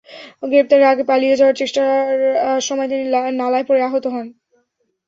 গ্রেপ্তারের আগে পালিয়ে যাওয়ার চেষ্টার সময় তিনি নালায় পড়ে আহত হন।